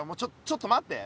ちょっと待って。